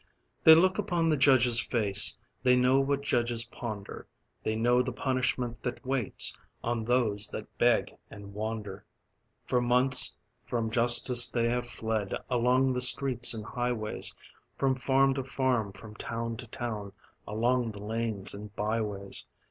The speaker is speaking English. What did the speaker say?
They look upon the judge's face, They know what judges ponder, They know the punishment that waits On those that beg and wander. For months from justice they have fled Along the streets and highways, From farm to farm, from town to town, Along the lanes and byways.